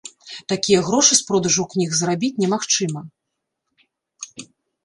Такія грошы з продажу кніг зарабіць немагчыма.